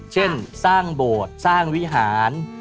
เช่นสร้างโบสถ์สร้างวิหาร